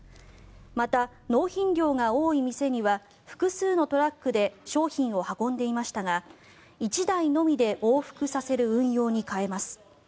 また、納品量が多い店には複数のトラックで商品を運んでいましたが１台のみで往復させる運用に変えます。